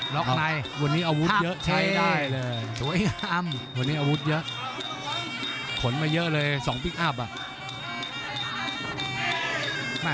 ล๊อคในภาพเฉยได้เลยสวยงามวันนี้อาวุธเยอะขนไม่เยอะเลย๒ปิ๊กอับอ่ะ